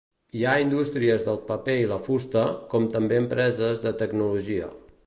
Hi ha indústries del paper i la fusta com també empreses de tecnologia.